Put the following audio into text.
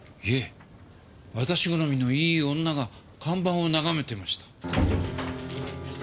いえ私好みのいい女が看板を眺めてました。